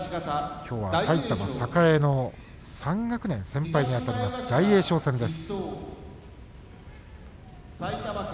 きょうは埼玉栄の３学年先輩にあたります、大栄翔戦です。